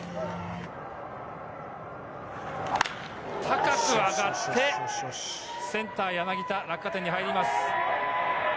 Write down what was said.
高く上がってセンター柳田、落下点に入ります。